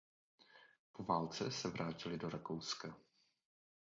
Po válce se vrátily do Rakouska.